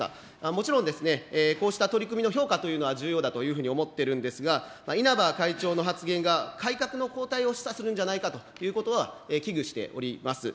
もちろん、こうした取り組みの評価というのは重要だというふうに思ってるんですが、稲葉会長の発言が改革の後退を示唆するんじゃないかということは、危惧しております。